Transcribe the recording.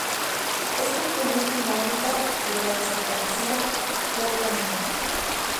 Este fue el último hábitat de la desaparecida foca monje.